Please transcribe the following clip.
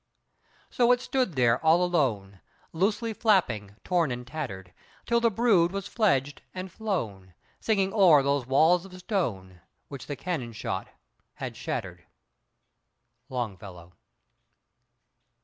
So it stood there all alone, Loosely flapping, torn and tattered, Till the brood was fledged and flown, Singing o'er those walls of stone Which the cannon shot had shattered. _Longfellow.